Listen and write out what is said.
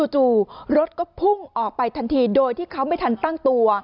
จู่รถก็พุ่งออกไปทันทีโดยที่เขาไม่ทันตั้งตัว